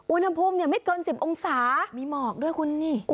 อุณหภูมิไม่เกิน๑๐องศามีหมอกด้วยคุณนี่